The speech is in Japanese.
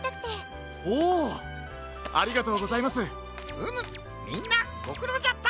うむみんなごくろうじゃった。